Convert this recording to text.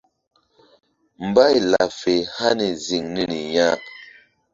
Mbay laɓ fe hani ziŋ niri ya.